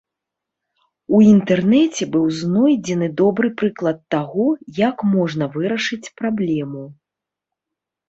У інтэрнэце быў знойдзены добры прыклад таго, як можна вырашыць праблему.